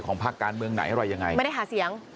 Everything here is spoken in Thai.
ภาคการเมืองไหนอะไรยังไงไม่ได้หาเสียง